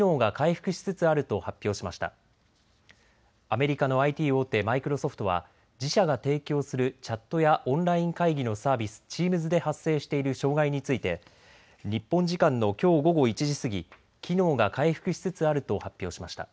アメリカのＩＴ大手、マイクロソフトは自社が提供するチャットやオンライン会議のサービス、チームズで発生している障害について日本時間のきょう午後１時過ぎ、機能が回復しつつあると発表しました。